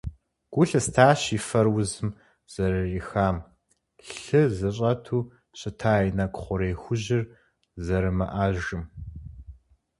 Гу лъыстащ и фэр узым зэрырихам, лъы зыщӀэту щыта и нэкӀу хъурей хужьыр зэримыӀэжым.